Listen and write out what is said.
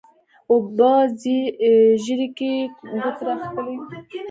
او پۀ ږيره کښې يې ګوتې راښکلې